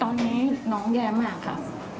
ตอนนี้น้องแย่มากค่ะ